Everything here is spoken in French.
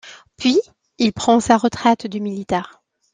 Puis, il prend sa retraite de militaire.